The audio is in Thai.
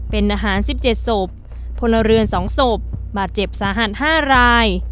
เป็นทหาร๑๗ศพพลเรือน๒ศพบาดเจ็บสาหัส๕ราย